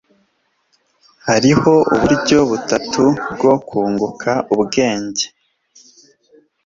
hariho uburyo butatu bwo kunguka ubwenge